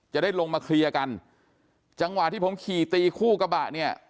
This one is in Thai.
จะได้ลงมาเคลียร์กันจังหวะที่ผมขี่ตีคู่กระบะเนี่ย